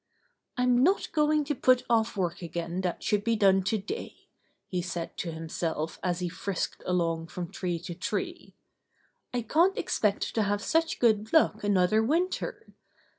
"I'm not going to put off work again that should be done today," he said to himself as he frisked along from tree to tree. "I can't expect to have such good luck another winter.